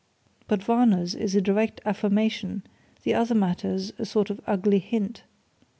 But Varner's is a direct affirmation the other matter's a sort of ugly hint.